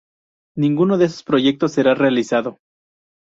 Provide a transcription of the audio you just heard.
Ninguno de esos proyectos será realizado.